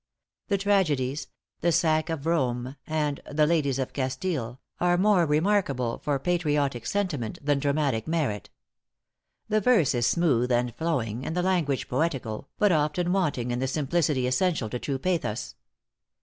The tragedies, "The Sack of Rome," and "The Ladies of Castile," are more remarkable for patriotic sentiment than dramatic merit. The verse is smooth and flowing, and the language poetical, but often wanting in the simplicity essential to true pathos.